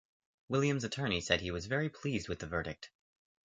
Williams's attorney said he was very pleased with the verdict.